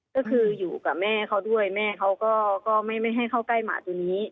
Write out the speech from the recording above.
ก็คืออยู่กับแม่เขาด้วยแม่เขาก็ไม่ให้เข้าใกล้หมาตัวนี้